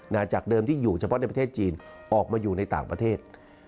จากเดิมที่อยู่เฉพาะในประเทศจีนออกมาอยู่ในต่างประเทศ